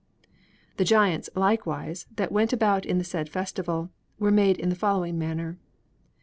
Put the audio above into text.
The giants, likewise, that went about in the said festival, were made in the following manner.